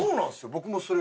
僕もそれ。